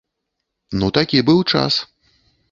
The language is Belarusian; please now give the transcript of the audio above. Ну такі быў час.